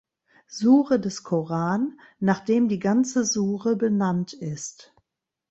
Sure des Koran, nach dem die ganze Sure benannt ist.